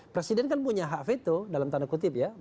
presiden kan punya hak veto dalam tanda kutip ya